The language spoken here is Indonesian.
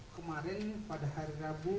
kemarin pada hari rabu